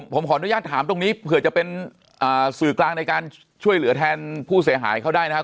ผมขออนุญาตถามตรงนี้เผื่อจะเป็นสื่อกลางในการช่วยเหลือแทนผู้เสียหายเขาได้นะครับ